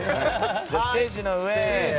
ステージの上へ。